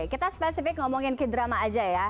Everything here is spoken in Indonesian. kita spesifik ngomongin k drama aja ya